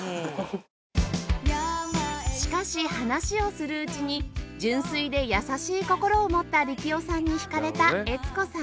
しかし話をするうちに純粋で優しい心を持った力夫さんに惹かれた悦子さん